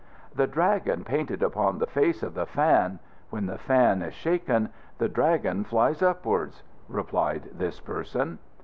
"'The Dragon painted upon the face of the fan: When the fan is shaken the Dragon flies upwards,'" replied this person.